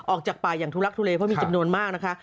ออกจากป่าอย่างทุลักทุเลเพราะมีจำนวนมากนะคะ